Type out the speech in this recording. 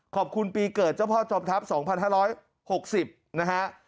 ขอบคุณปีเกิดเจ้าพ่อจอมทัพ๒๕๖๐นะฮะ